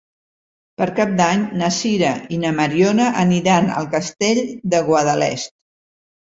Per Cap d'Any na Sira i na Mariona aniran al Castell de Guadalest.